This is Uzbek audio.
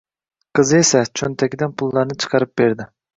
Qizi esa, choʻntagidan pullarni chiqarib berdi.